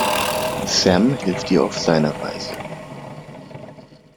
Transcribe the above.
Sam hilft ihr auf seine Weise.